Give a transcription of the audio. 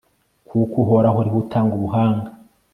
kuko uhoraho ari we utanga ubuhanga